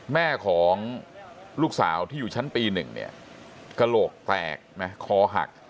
แม่ของลูกสาวที่อยู่ชั้นปี๑เนี่ยกระโหลกแตกนะคอหัก